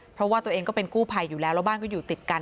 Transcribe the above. เพราะว่าตัวเองก็เป็นกู้ภัยอยู่แล้วแล้วบ้านก็อยู่ติดกัน